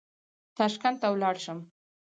تاشکند ته ولاړ شم.